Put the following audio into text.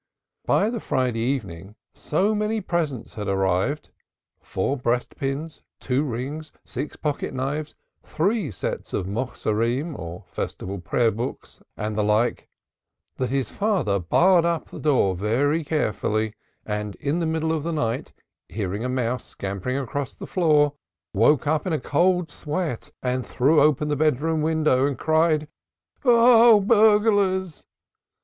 By the Friday evening so many presents had arrived four breastpins, two rings, six pocket knives, three sets of Machzorim or Festival Prayer books, and the like that his father barred up the door very carefully and in the middle of the night, hearing a mouse scampering across the floor, woke up in a cold sweat and threw open the bedroom window and cried "Ho! Buglers!"